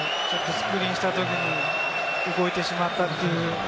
スクリーンしたときに動いてしまったという。